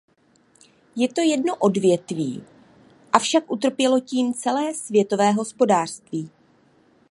Je to jedno odvětví, avšak utrpělo tím celé světové hospodářství.